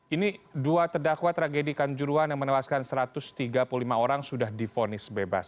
ini dua terdakwa tragedi kanjuruan yang menewaskan satu ratus tiga puluh lima orang sudah difonis bebas